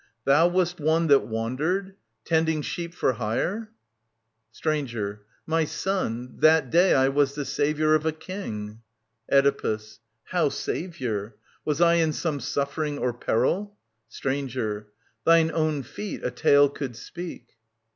Thou wast one That wandered, tending sheep for hire ? Stranger. My son, That day I was the saviour of a King. Oedipus. How saviour ? Was I in some suffering Or peril ? Stranger. Thine own feet a tale could speak.